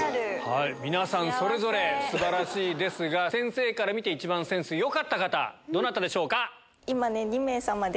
皆さんそれぞれ素晴らしいですが先生から見て一番センスよかった方どなたでしょうか？